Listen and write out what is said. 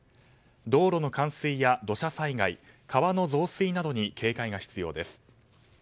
道路の冠水や土砂災害川の増水などに警戒が必要です。